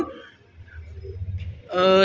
sampai kemarin mikir tuh